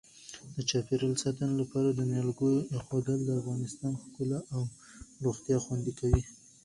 د چاپیریال ساتنې لپاره د نیالګیو اېښودل د افغانستان ښکلا او روغتیا خوندي کوي.